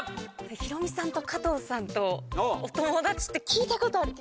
ヒロミさんと加藤さんとお友達って聞いたことある。